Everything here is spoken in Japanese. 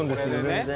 全然。